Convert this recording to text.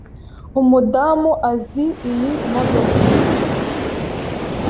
Umudamu azi iyi modoka?